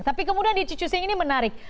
tapi kemudian didi xu xing ini menarik